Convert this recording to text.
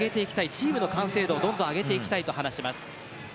チームの完成度をどんどん上げていきたいと話します。